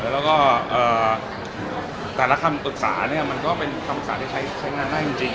แล้วก็แต่ละคำปรึกษาเนี่ยมันก็เป็นคำปรึกษาที่ใช้งานได้จริง